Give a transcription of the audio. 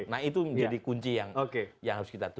nah itu menjadi kunci yang harus kita tunggu